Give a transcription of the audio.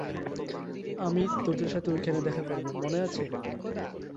আমি তোদের সাথে ঐখানে দেখা করব, মনে আছে?